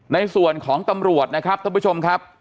ในส่วนของตำรวจนะครับท่านผู้ชมครับ